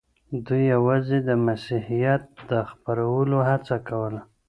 دوی یوازې د مسیحیت د خپرولو هڅه کوله.